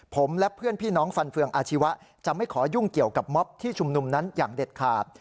ผมและเพื่อนพี่น้องฟันเฟืองอาชีวะจะไม่ขอยุ่งเกี่ยวกับม็อบที่ชุมนุมนั้นอย่างเด็ดขาด